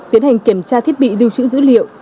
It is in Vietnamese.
tiến hành kiểm tra thiết bị lưu trữ dữ liệu